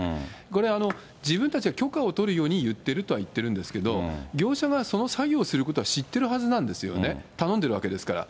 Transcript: これ、自分たちが許可を取るように言ってるとは言ってるんですけれども、業者はその作業をすることは知ってるはずなんですよね、頼んでるわけですから。